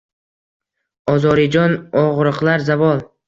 Ozorijon ogʼriqlar zavol.